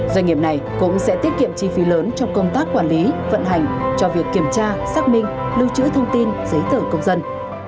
doanh nghiệp này cũng sẽ tiết kiệm chi phí lớn trong công tác quản lý vận hành cho việc kiểm tra xác minh lưu trữ thông tin giấy tờ công dân